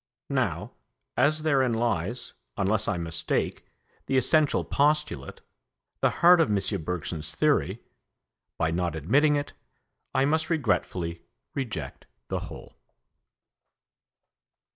Now, as therein lies, unless I mistake, the essential postulate, the heart of M. Bergson's theory, by not admitting it I must regretfully reject the whole.